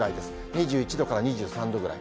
２１度から２３度ぐらい。